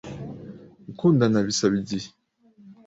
Gukundana bisaba igihe.